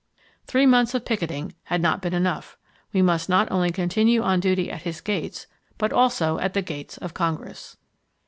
Three months of picketing had not been enough. We must not only continue on duty at his gates but also, at the gates of Congress.